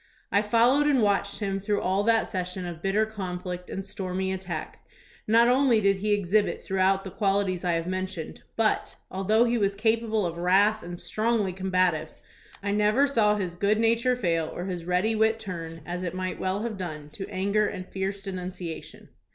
I followed and watched him through all that session of bitter conflict and stormy attack. Not only did he exhibit throughout the qualities I have mentioned, but, although he was capable of wrath and strongly combative, I never saw his good nature fail or his ready wit turn, as it might well have done, to anger and fierce denunciation.